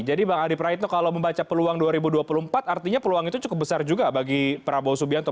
jadi bang adi praetno kalau membaca peluang dua ribu dua puluh empat artinya peluang itu cukup besar juga bagi prabowo subianto